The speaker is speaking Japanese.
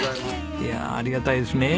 いやあありがたいですねえ